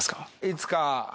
いつか。